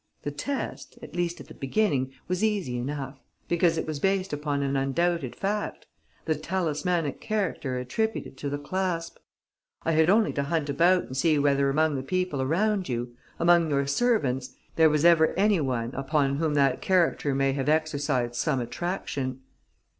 The test, at least at the beginning, was easy enough, because it was based upon an undoubted fact: the talismanic character attributed to the clasp. I had only to hunt about and see whether among the people around you, among your servants, there was ever any one upon whom that character may have exercised some attraction.